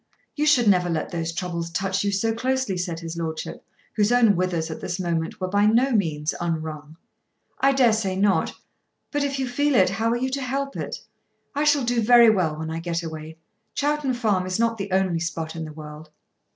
"You should never let those troubles touch you so closely," said his lordship, whose own withers at this moment were by no means unwrung. "I dare say not. But if you feel it, how are you to help it? I shall do very well when I get away. Chowton Farm is not the only spot in the world."